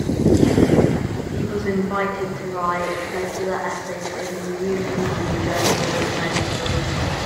He was invited to write regular essays in the "New England Journal of Medicine".